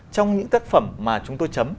trong những tác phẩm mà chúng tôi chấm